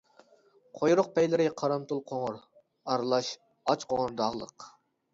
قۇيرۇق پەيلىرى قارامتۇل قوڭۇر، ئارىلاش ئاچ قوڭۇر داغلىق.